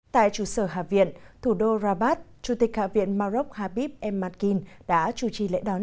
tại chủ sở hạ viện thủ đô rabat chủ tịch hạ viện maroc habib m matkin đã chủ trì lễ đón